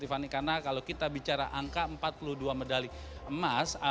karena kalau kita bicara angka empat puluh dua medali emas